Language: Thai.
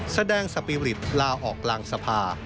แสดงสปิริตลาออกล่างสภา